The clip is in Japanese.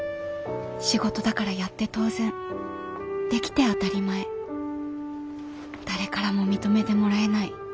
仕事だからやって当然できて当たり前誰からも認めてもらえない。